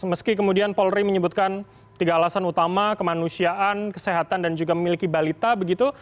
meski kemudian polri menyebutkan tiga alasan utama kemanusiaan kesehatan dan juga memiliki balita begitu